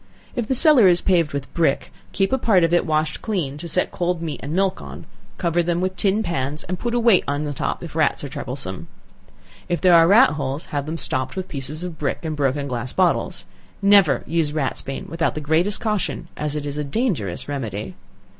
If the cellar is paved with brick, keep a part of it washed clean, to set cold meat and milk on; cover them with tin pans and put a weight on the top if rats are troublesome. If there are rat holes have them stopped with pieces of brick, and broken glass bottles; never use ratsbane without the greatest caution, as it is a dangerous remedy.